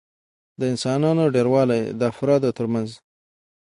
د انسانانو ډېروالي د افرادو ترمنځ